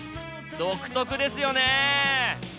独特ですよね。